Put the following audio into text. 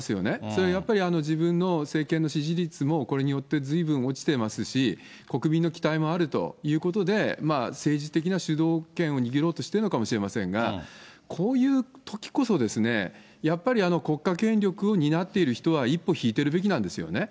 それはやっぱり、自分の政権の支持率も、これによってずいぶん落ちてますし、国民の期待もあるということで、政治的な主導権を握ろうとしているのかもしれませんが、こういうときこそですね、やっぱり国家権力を担っている人は、一歩引いているべきなんですよね。